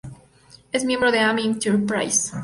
Es miembro de I'm Enterprise.